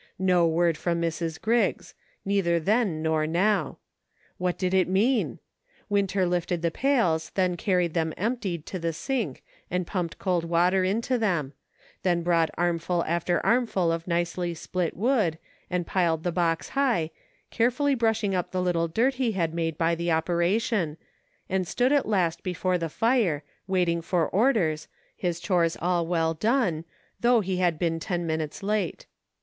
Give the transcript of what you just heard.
No word from Mrs. Griggs ; neither then nor now. What did it mean ? Winter lifted the pails, then carried them emptied, to the sink, 22 "march! I SAID." and pumped cold water into them ; then brought armful after armful of nicely split wood, and piled the box high, carefully brushing up the little dirt he had made by the operation, and stood at last before the fire, waiting for orders, his chores all well done, though he had been ten minutes late.